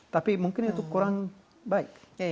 tapi mungkin itu kurang baik